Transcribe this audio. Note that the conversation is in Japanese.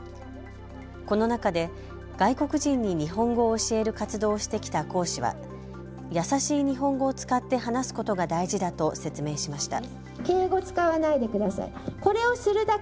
この中で外国人に日本語を教える活動をしてきた講師は易しい日本語を使って話すことが大事だと説明しました。